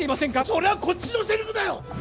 それはこっちのセリフだよ